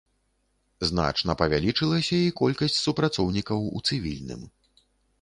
Значна павялічылася і колькасць супрацоўнікаў у цывільным.